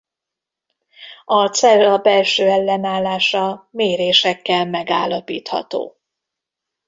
A cella belső ellenállása mérésekkel megállapítható.